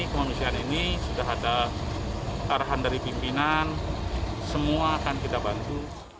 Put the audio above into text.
kemanusiaan ini sudah ada arahan dari pimpinan semua akan kita bantu